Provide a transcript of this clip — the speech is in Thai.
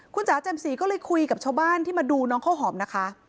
คุณจ๋าแจ่มสีก็เลยคุยกับชาวบ้านที่มาดูน้องข้าวหอมนะคะ